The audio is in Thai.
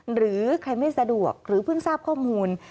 หรือใครไม่สะดวกหรือเพิ่งทราบข้อมูล